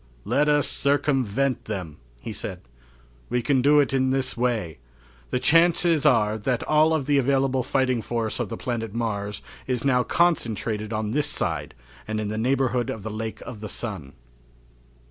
"Let us circumvent them," he said. "We can do it in this way. The chances are that all of the available fighting force of the planet Mars is now concentrated on this side and in the neighborhood of the Lake of the Sun."